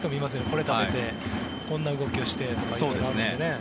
これ食べてこんな動きをしてという。